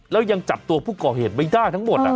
แล้วยังจับตัวผู้ก่อเหตุไม่ได้ทั้งหมด